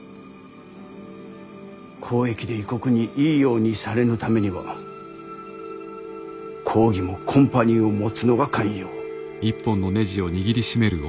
交易で異国にいいようにされぬためには公儀もコンパニーを持つのが肝要。